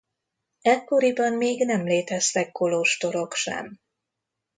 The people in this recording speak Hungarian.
Ekkoriban még nem léteztek kolostorok sem.